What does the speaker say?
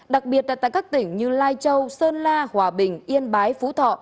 đặc biệt là tại các tỉnh như lai châu sơn la hòa bình yên bái phú thọ